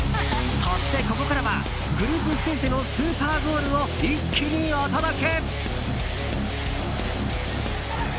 そして、ここからはグループステージでのスーパーゴールを一気にお届け。